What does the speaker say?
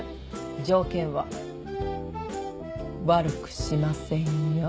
「条件は悪くしませんよ」。